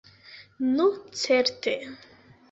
Nu certe!